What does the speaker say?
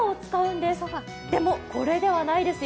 でも、これではないですよ。